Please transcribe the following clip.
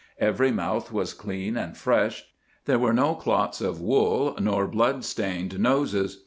Every mouth was clean and fresh; there were no clots of wool nor blood stained noses.